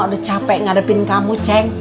udah capek ngadepin kamu ceng